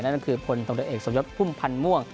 นั่นก็คือพลตำรวจเอกสมยศพุ่มพันธ์ม่วง